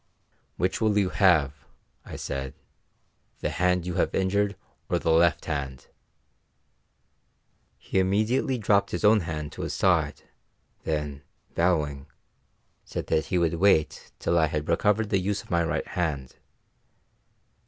"Which will you have," I said, "the hand you have injured or the left hand?" He immediately dropped his own hand to his side, then, bowing, said he would wait till I had recovered the use of my right hand.